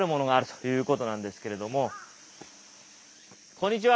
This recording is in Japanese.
こんにちは！